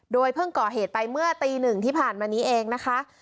เพิ่งก่อเหตุไปเมื่อตีหนึ่งที่ผ่านมานี้เองนะคะ